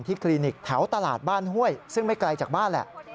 คลินิกแถวตลาดบ้านห้วยซึ่งไม่ไกลจากบ้านแหละ